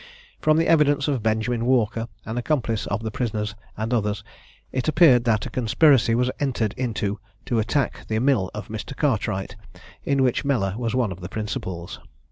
From the evidence of Benjamin Walker, an accomplice of the prisoners and others, it appeared that a conspiracy was entered into to attack the mill of Mr. Cartwright, in which Mellor was one of the principals.